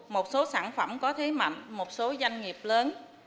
một số sản phẩm có thế mạnh một số doanh nghiệp lớn